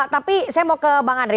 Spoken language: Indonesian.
tapi saya mau ke bang andri